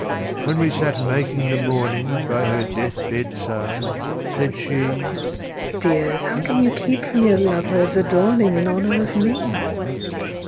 When we sat making the mourning By her death bed side, said she, "Dears, how can you keep from your lovers, adorning In honour of me!"